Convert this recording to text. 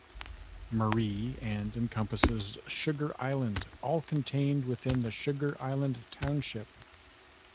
Marie and encompasses Sugar Island, all contained within the Sugar Island Township.